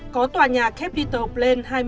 có tòa nhà capital plan